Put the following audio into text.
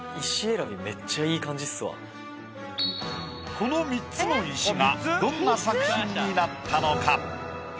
この３つの石がどんな作品になったのか？